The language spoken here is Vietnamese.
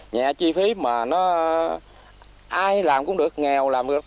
nhẹ chi phí mà nó ai làm cũng được nghèo làm được